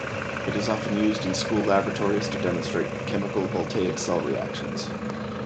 It is often used in school laboratories to demonstrate chemical voltaic cell reactions.